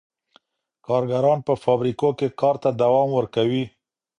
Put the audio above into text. کارګران په فابریکو کي کار ته دوام ورکوي.